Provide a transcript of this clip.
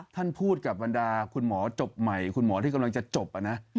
ท่านพูดกับบรรดาคุณหมอจบใหม่คุณหมอที่กำลังจะจบนะ